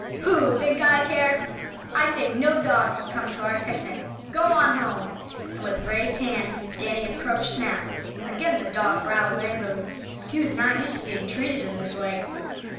"Pooh! Think I care? I say no dog can come to our picnic. Go on home!" and with raised hand Danny approached Snap. Again the dog growled angrily. He was not used to being treated in this way.